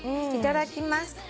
いただきます。